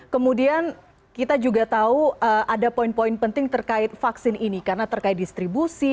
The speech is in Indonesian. kemudian kita juga tahu ada poin poin penting terkait vaksin ini karena terkait distribusi